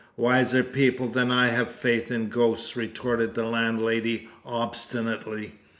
"Wiser people than I have faith in ghosts," retorted the landlady obstinately.